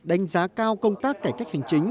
đánh giá cao công tác cải cách hành chính